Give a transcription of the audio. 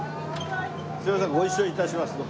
すいませんご一緒致します。